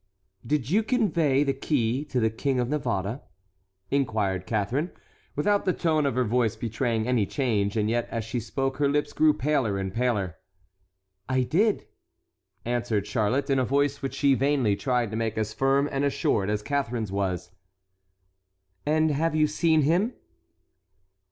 "Did you convey the key to the King of Navarre?" inquired Catharine, without the tone of her voice betraying any change; and yet as she spoke her lips grew paler and paler. "I did, madame," answered Charlotte, in a voice which she vainly tried to make as firm and assured as Catherine's was. "And have you seen him?"